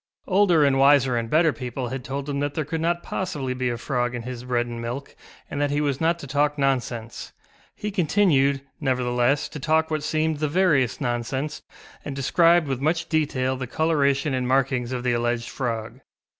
Older and wiser and better people had told him that there could not possibly be a frog in his bread and milk and that he was not to talk nonsense; he continued, nevertheless, to talk what seemed the veriest nonsense, and described with much detail the colouration and markings of the alleged frog.